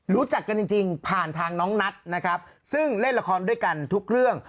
รู้จักกันจริงผ่านทางน้องนัทนะครับซึ่งเล่นละครด้วยกันทุกเรื่อง